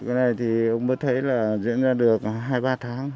cái này thì ông mới thấy là diễn ra được hai ba tháng